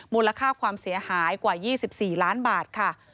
มูลค่าความเสียหายกว่า๒๔ล้านบาทค่ะ